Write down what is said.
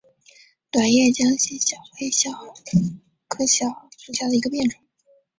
短叶江西小檗为小檗科小檗属下的一个变种。